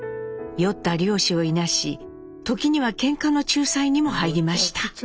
酔った漁師をいなし時にはけんかの仲裁にも入りました。